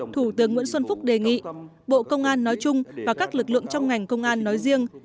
thủ tướng nguyễn xuân phúc đề nghị bộ công an nói chung và các lực lượng trong ngành công an nói riêng